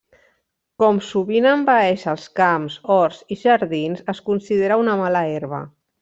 Com sovint envaeix els camps, horts i jardins, es considera una mala herba.